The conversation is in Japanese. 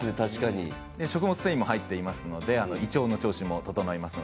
食物繊維も入っていますので胃腸の調子も整います。